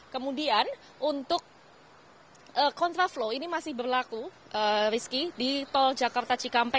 kemudian untuk kontraflow ini masih berlaku rizky di tol jakarta cikampek